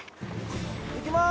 いきます。